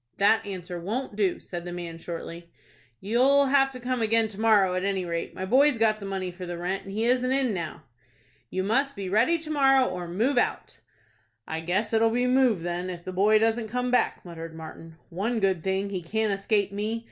"That answer won't do," said the man, shortly. "You'll have to come again to morrow, at any rate. My boy's got the money for the rent, and he isn't in now." "You must be ready to morrow, or move out." "I guess it'll be move then, if the boy doesn't come back," muttered Martin. "One good thing, he can't escape me.